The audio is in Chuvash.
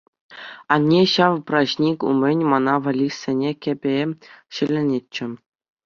Анне ҫав праҫник умӗн мана валли сӗнӗ кӗпе ҫӗленӗччӗ.